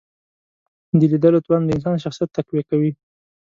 د لیدلو توان د انسان شخصیت تقویه کوي